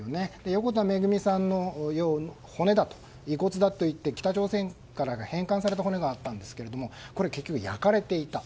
横田めぐみさんの骨だと遺骨だといって、北朝鮮から返還された骨があったんですがこれ、結局焼かれていた。